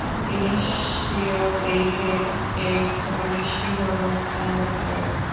তিনি স্বীয় দেহে এক ধরনের শিহরণ অনুভব করেন।